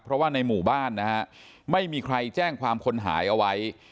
เพราะว่าในหมู่บ้านนะฮะไม่มีใครแจ้งความคนหายเอาไว้